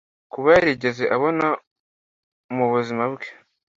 Kuba yarigeze abona mubuzima bwe